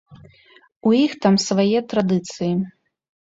У іх там свае традыцыі.